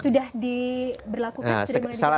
sudah di berlakukan sudah dimulai di permasalahkan